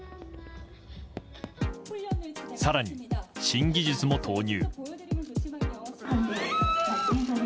更に新技術も投入。